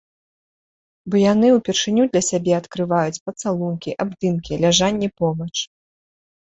Бо яны ўпершыню для сябе адкрываюць пацалункі, абдымкі, ляжанне побач.